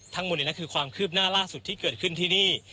ทั้งหมดนี้คือความคืบหน้าล่าสุดที่เกิดขึ้นที่นี่